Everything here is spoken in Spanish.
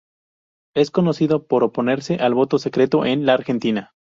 Es conocido por oponerse al voto secreto en la Argentina.